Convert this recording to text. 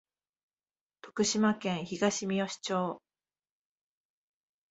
徳島県東みよし町